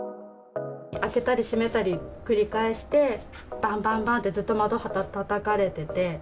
開けたり閉めたり、繰り返して、ばんばんばんって、ずっと窓たたかれてて。